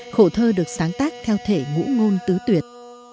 khổ thơ được sáng tác theo thể ngũ ngôn tứ tuyệt